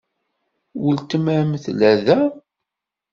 Weltma-m tella da?